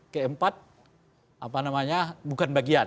keempat apa namanya bukan bagian